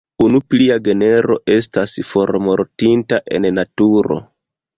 Unu plia genro estas formortinta en naturo.